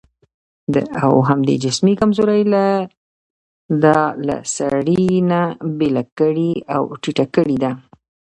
او همدې جسمي کمزورۍ دا له سړي نه بېله کړې او ټيټه کړې ده.